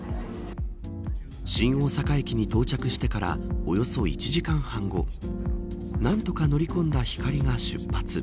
新大阪駅に到着してからおよそ１時間半後何とか乗り込んだひかりが出発。